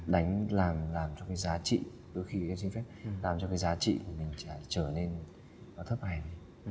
đánh làm cho cái giá trị đôi khi em xin phép làm cho cái giá trị của mình trở nên nó thấp hèn